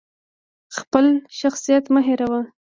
خپل شخصیت مه هیروه!